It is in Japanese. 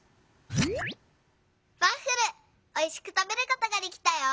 「ワッフルおいしくたべることができたよ！